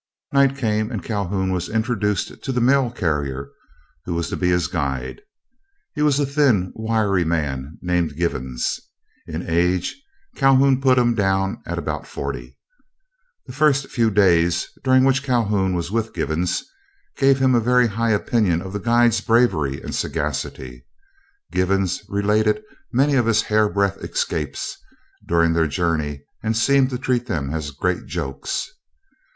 Night came, and Calhoun was introduced to the mail carrier who was to be his guide. He was a thin, wiry man, named Givens. In age, Calhoun put him down at about forty. The few days during which Calhoun was with Givens gave him a very high opinion of the guide's bravery and sagacity. Givens related many of his hairbreadth escapes during their journey, and seemed to treat them as great jokes.